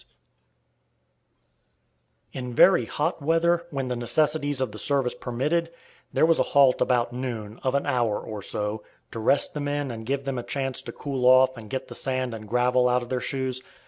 [Illustration: A WELL] In very hot weather, when the necessities of the service permitted, there was a halt about noon, of an hour or so, to rest the men and give them a chance to cool off and get the sand and gravel out of their shoes.